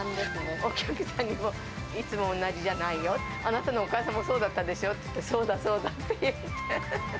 お客さんにいつも同じじゃないよ、あなたのお母さんもそうだったでしょって言って、そうだ、そうだって言って。